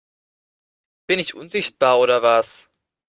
Bin ich unsichtbar oder was?